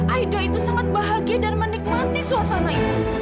aida itu sangat bahagia dan menikmati suasana itu